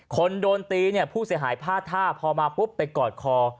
คนโดนตีพูดเสียหายพลาดท่าพอไปกอดคอ